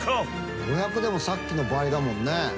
５００でもさっきの倍だもんね！